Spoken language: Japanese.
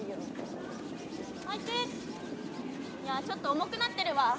ちょっと重くなってるわ。